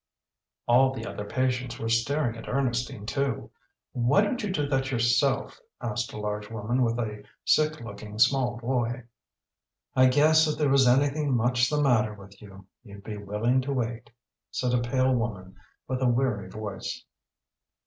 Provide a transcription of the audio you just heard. All the other patients were staring at Ernestine, too. "Why don't you do that yourself?" asked a large woman with a sick looking small boy. "I guess if there was anything much the matter with you, you'd be willing to wait," said a pale woman with a weary voice.